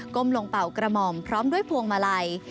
ลงเป่ากระหม่อมพร้อมด้วยพวงมาลัย